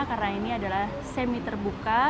karena ini adalah semi terbuka